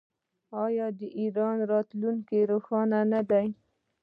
آیا د ایران راتلونکی روښانه نه دی؟